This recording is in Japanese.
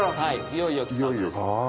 いよいよあ。